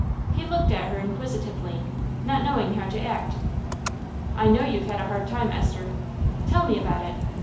He looked at her inquisitively, not knowing how to act. "I know you've had a hard time, Esther. Tell me about it.